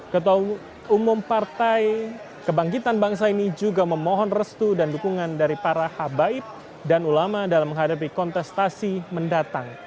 ketua umum partai kebangkitan bangsa ini juga memohon restu dan dukungan dari para habaib dan ulama dalam menghadapi kontestasi mendatang